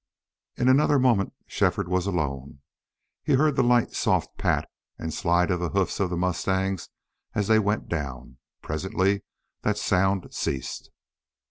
In another moment Shefford was alone. He heard the light, soft pat and slide of the hoofs of the mustangs as they went down. Presently that sound ceased.